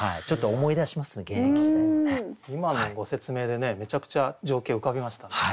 今のご説明でねめちゃくちゃ情景浮かびましたね。